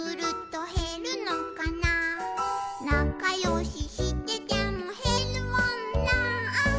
「なかよししててもへるもんなー」